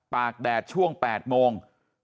กแดดช่วง๘โมง